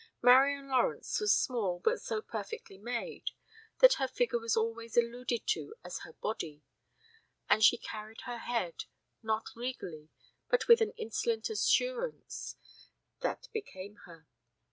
Marian Lawrence was small but so perfectly made that her figure was always alluded to as her body, and she carried her head, not regally, but with an insolent assurance that became her.